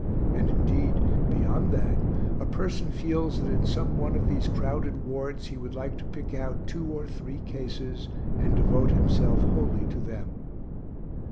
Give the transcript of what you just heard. And indeed, beyond that, a person feels that in some one of these crowded wards he would like to pick out two or three cases and devote himself wholly to them.